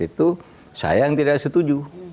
itu saya yang tidak setuju